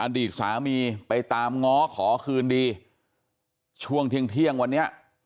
อดีตสามีไปตามง้อขอคืนดีช่วงเที่ยงเที่ยงวันนี้